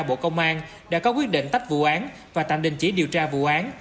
bộ công an đã có quyết định tách vụ án và tạm đình chỉ điều tra vụ án